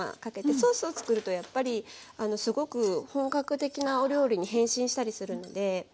ソースを作るとやっぱりすごく本格的なお料理に変身したりするので。